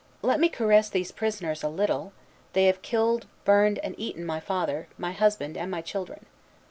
let me caress these prisoners a little: they have killed, burned, and eaten my father, my husband, and my children."